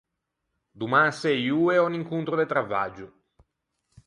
Doman à sëi oe ò un incontro de travaggio.